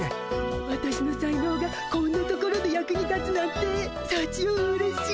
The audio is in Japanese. わたしの才能がこんなところで役に立つなんてさちようれしい。